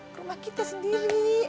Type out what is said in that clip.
ke rumah kita sendiri